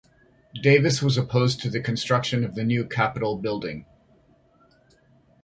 Davis was opposed to the construction of the new capitol building.